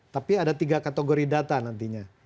tapi ada tiga kategori data nantinya